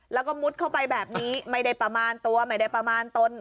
แล้วก็มุดเข้าไปแบบนี้ไม่ได้ประมาณตัวไม่ได้ประมาณตน